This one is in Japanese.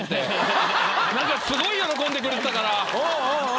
すごい喜んでくれてたから！